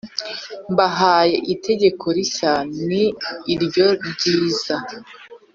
mbahaye itegeko rishya ni iryo ryiza